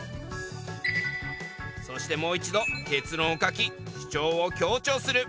そしてもう一度結論を書き主張を強調する。